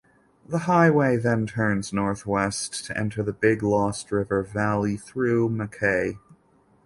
The highway then turns northwest to enter the Big Lost River valley through Mackay.